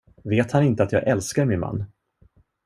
Vet han inte att jag älskar min man?